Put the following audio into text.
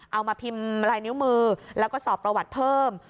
เอามาพิมพ์ลายนิ้วมือแล้วก็สอบประวัติเพิ่ม